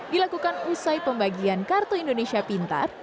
dilakukan usai pembagian kartu indonesia pintar